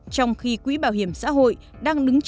trong khi quỹ bảo hiểm xã hội đang đứng trở lại